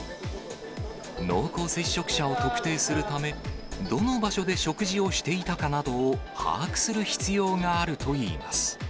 濃厚接触者を特定するため、どの場所で食事をしていたかなどを把握する必要があるといいます。